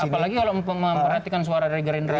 apalagi kalau memperhatikan suara dari gerindra